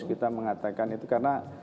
kita mengatakan itu karena